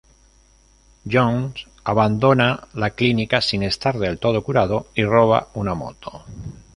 Jones abandona la clínica sin estar del todo curado y roba una moto.